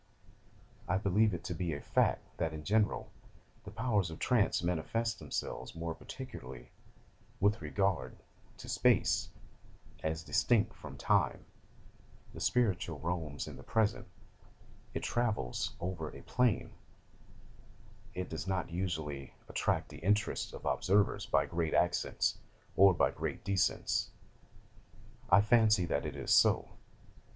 I believe it to be a fact that, in general, the powers of trance manifest themselves more particularly with regard to space, as distinct from time: the spirit roams in the present it travels over a plain it does not usually attract the interest of observers by great ascents, or by great descents. I fancy that is so.